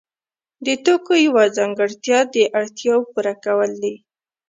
د توکو یوه ځانګړتیا د اړتیاوو پوره کول دي.